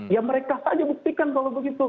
ya mereka saja buktikan kalau begitu